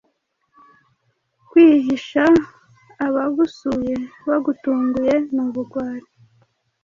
Kwihisha abagusuye bagutunguye nubugwari